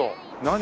何？